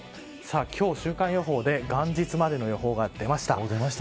今日週間予報で、元日までの予報が出ました。